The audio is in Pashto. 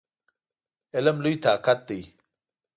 علم لوی طاقت دی!